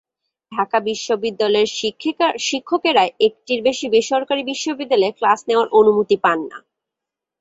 ঢাকা বিশ্ববিদ্যালয়ের শিক্ষকেরা একটির বেশি বেসরকারি বিশ্ববিদ্যালয়ে ক্লাস নেওয়ার অনুমতি পান না।